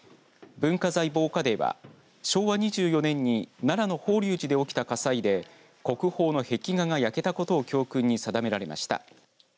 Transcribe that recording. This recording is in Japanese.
文化財防火デーは昭和２４年に奈良の法隆寺で起きた火災で国宝の壁画が焼けたことを教訓に定められました。